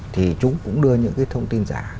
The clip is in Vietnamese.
thì chúng cũng đưa những cái thông tin giả